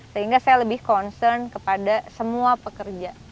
sehingga saya lebih concern kepada semua pekerja